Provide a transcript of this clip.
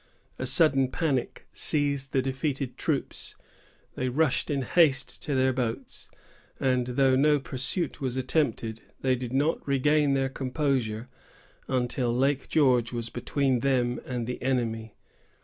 A sudden panic seized the defeated troops. They rushed in haste to their boats, and, though no pursuit was attempted, they did not regain their composure until Lake George was between them and the enemy.